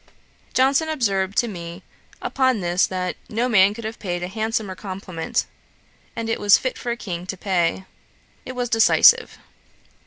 Johnson observed to me, upon this, that 'No man could have paid a handsomer compliment; and it was fit for a King to pay. It was decisive.'